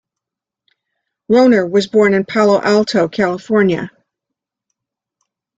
Rohner was born in Palo Alto, California.